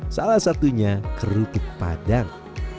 salah satunya kerupuk padang